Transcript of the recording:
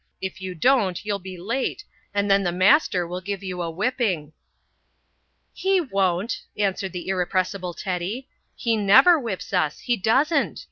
If you don't you'll be late and then the master will give you a whipping." "He won't," answered the irrepressible Teddy. "He never whips us, he doesn't.